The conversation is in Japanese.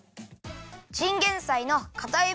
チンゲンサイのかたい